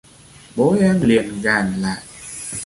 Bố em liền gàn lại